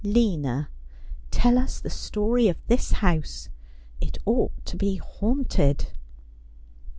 ' Lina, tell us the story of this house. It ought to be haunted.'